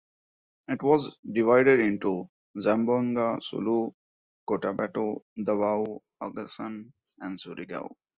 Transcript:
It was divided into Zamboanga, Sulu, Cotabato, Davao, Agusan and Surigao.